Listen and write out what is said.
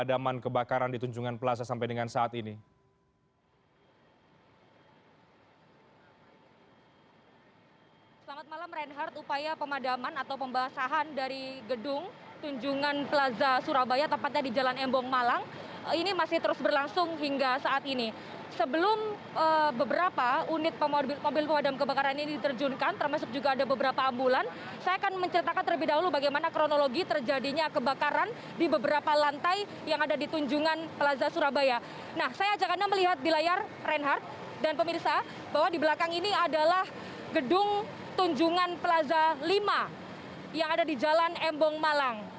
dan pemirsa bahwa di belakang ini adalah gedung tunjungan plaza lima yang ada di jalan embong malang